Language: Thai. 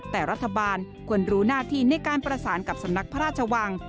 แต่รัฐบาลควรรู้หน้าที่ในการประสานกับสำนักพระราชวัง